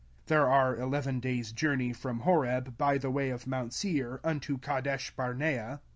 05:001:002 (There are eleven days' journey from Horeb by the way of mount Seir unto Kadeshbarnea.)